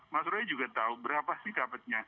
mas roy juga tahu berapa sih dapatnya